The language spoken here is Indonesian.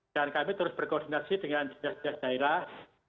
dan kami terus berkoordinasi dengan jenis jenis daerah